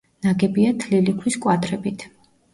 ნაგებია თლილი ქვის კვადრებით.